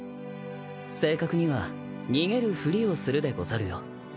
正確には逃げるふりをするでござるよ。